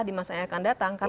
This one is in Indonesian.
di masa yang akan datang